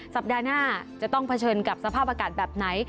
สัปดาห์หน้าจะต้องเผชิญกับสภาพอากาศแบบไหน